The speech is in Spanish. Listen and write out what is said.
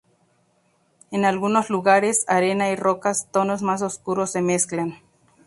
En algunos lugares, arena y rocas tonos más oscuros se mezclan.